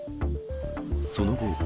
その後。